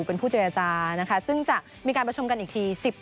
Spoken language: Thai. เป็นผู้เจรจานะคะซึ่งจะมีการประชุมกันอีกที